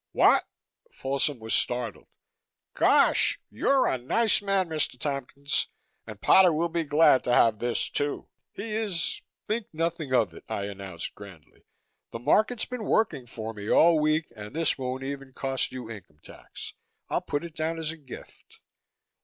"What " Folsom was startled. "Gosh! You're a white man, Mr. Tompkins. And Potter will be glad to have this, too. He is " "Think nothing of it!" I announced grandly. "The market's been working for me all week, and this won't even cost you income tax; I'll put it down as a gift."